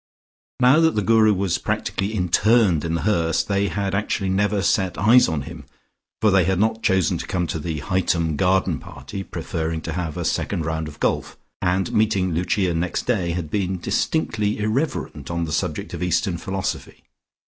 Now that the Guru was practically interned in The Hurst, they had actually never set eyes on him, for they had not chosen to come to the Hightum garden party, preferring to have a second round of golf, and meeting Lucia next day had been distinctly irreverent on the subject of Eastern philosophy.